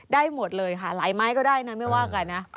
ได้หมดเลยค่ะหลายไม้ก็ได้นะไม่ว่ากันนะ